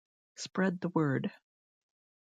Spread the word.